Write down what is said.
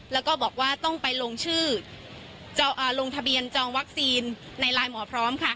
แล้วก็บอกว่าต้องไปลงชื่อลงทะเบียนจองวัคซีนในไลน์หมอพร้อมค่ะ